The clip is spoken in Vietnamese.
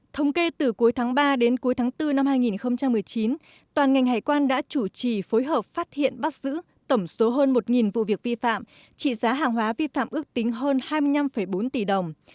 thống kê từ cuối tháng ba đến cuối tháng bốn năm hai nghìn một mươi chín toàn ngành hải quan đã chủ trì phối hợp phát hiện bắt giữ tổng số hơn một vụ việc vi phạm trị giá hàng hóa vi phạm ước tính hơn hai mươi năm bốn tỷ đồng